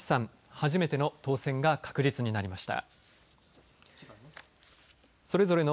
初めての当選が確実になりました。